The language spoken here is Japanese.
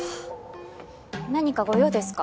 何かご用ですか？